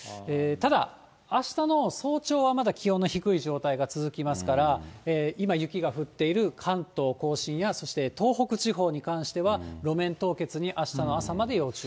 ただあしたの早朝はまだ気温の低い状態が続きますから、今雪が降っている関東甲信やそして東北地方に関しては、路面凍結にあしたの朝まで要注意。